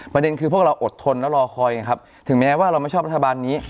ประเด็นคือพวกเราอดทนแล้วรอคอยนะครับถึงแม้ว่าเราไม่ชอบรัฐบาลนี้